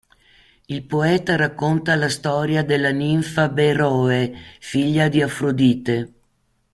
Il poeta racconta la storia della ninfa Beroe, figlia di Afrodite.